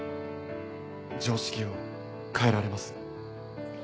常識を変えられます？